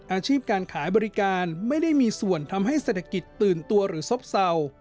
อาชีพการขายบริการไม่ได้มีส่วนทำให้เศรษฐกิจตื่นตัวหรือซบเศร้า